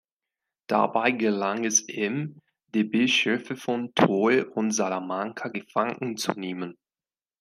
Dabei gelang es ihm, die Bischöfe von Tui und Salamanca gefangen zu nehmen.